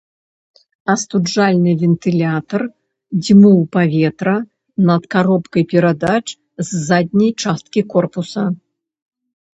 Астуджальны вентылятар дзьмуў паветра над каробкай перадач з задняй часткі корпуса.